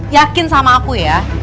yakin sama aku ya